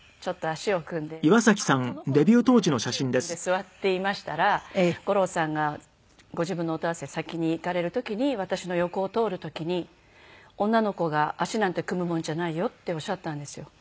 足を組んで座っていましたら五郎さんがご自分の音合わせ先に行かれる時に私の横を通る時に「女の子が足なんて組むものじゃないよ」っておっしゃったんですよ。